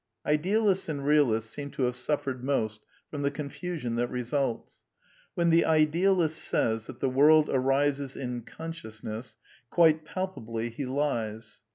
Idealists and realists seem to have suffered most from the confusion that results. When the idealist says that the world arises in consciousness, quite palpably he lies.